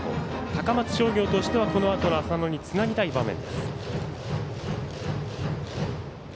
高松商業としてはこのあとの浅野につなぎたい場面。